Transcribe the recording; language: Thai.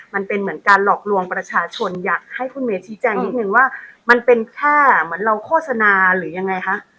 มันเป็นเหมือนการหลอกลวงประชาชนอยากให้คุณเมย์ชี้แจงนิดนึงว่ามันเป็นแค่เหมือนเราโฆษณาหรือยังไงคะ